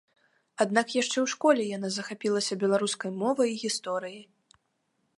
Аднак яшчэ ў школе яна захапілася беларускай мовай і гісторыяй.